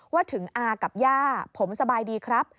ว่าถึงอากับย่าผมสบายดีครับ